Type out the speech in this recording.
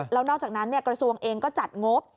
แล้วนอกจากนั้นกระทรวงเองก็จัดงบ